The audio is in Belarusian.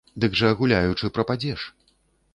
Дык жа гуляючы прападзеш.